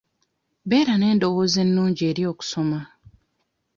Beera n'endowooza ennungi eri okusoma.